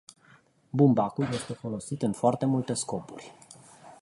Bumbacul este folosit în foarte multe scopuri.